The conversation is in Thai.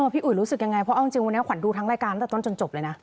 พี่อุ๋ยรู้สึกยังไงเพราะเอาจริงวันนี้ขวัญดูทั้งรายการตั้งแต่ต้นจนจบเลยนะ